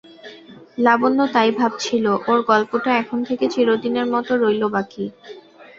লাবণ্য তাই ভাবছিল, ওর গল্পটা এখন থেকে চিরদিনের মতো রইল বাকি।